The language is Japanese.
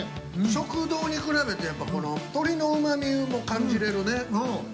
食道に比べて鶏のうまみも感じれるね。